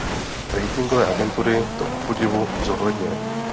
Ratingové agentury to kupodivu zohlednily.